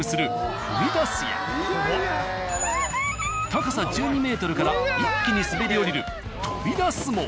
高さ１２ｍから一気に滑り降りるトビダスも。